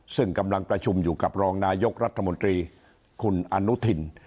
ซึ่งกำลังประชุมอยู่กับรองนายกรัฐมนตรีคุณอนุทิน